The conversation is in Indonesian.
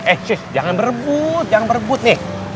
eh eh shush jangan berebut jangan berebut nih